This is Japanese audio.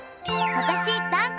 わたしダンコ。